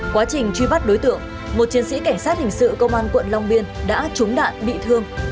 quá trình truy bắt đối tượng một chiến sĩ cảnh sát hình sự công an quận long biên đã trúng đạn bị thương